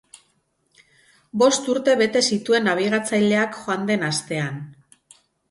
Bost urte bete zituen nabigatzaileak joan den astean.